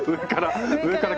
上から。